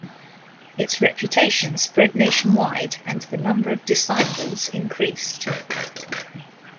Its reputation spread nationwide and the number of disciples increased.